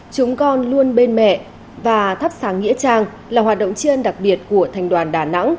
chúng con luôn bên mẹ và thắp sáng nghĩa trang là hoạt động triên đặc biệt của thành đoàn đà nẵng